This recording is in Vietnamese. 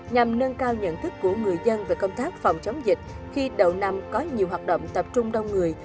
nhằm nâng cao nhận thức của người dân về công tác phòng chống dịch khi đầu năm có nhiều hoạt động tập trung đông người